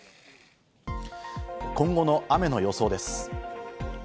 今後の雨の予想です。